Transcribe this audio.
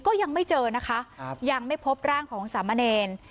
ก็ยังไม่เจอนะคะยังไม่พบร่างของสามเณร